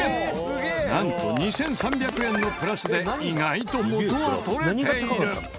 なんと２３００円のプラスで意外と元は取れている。